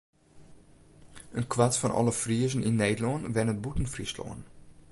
In kwart fan alle Friezen yn Nederlân wennet bûten Fryslân.